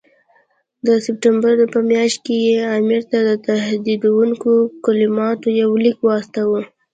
د سپټمبر په میاشت کې یې امیر ته د تهدیدوونکو کلماتو یو لیک واستاوه.